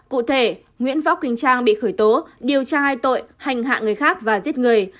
cụ thể nguyễn võ quỳnh trang bị khởi tố điều tra hai tội hành hạ người khác và giết người